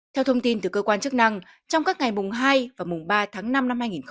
theo thông tin từ cơ quan chức năng trong các ngày mùng hai và mùng ba tháng năm năm hai nghìn hai mươi bốn